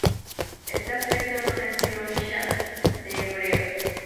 Está escrito en un estilo mishná de hebreo.